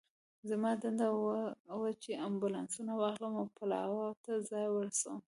زما دنده دا وه چې امبولانسونه واخلم او پلاوا ته ځان ورسوم.